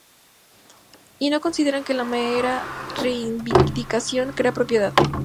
Y no consideran que la mera reivindicación crea propiedad.